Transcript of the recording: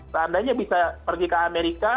seandainya bisa pergi ke amerika